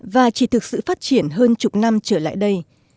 và chỉ thực sự phát triển hơn chục năm trở lại đây